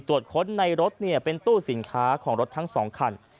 ตรวจค้นในรถเป็นตู้สินค้าของรถทั้ง๒คัน